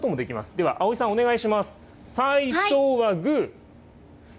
ではあおいさん、お願いします。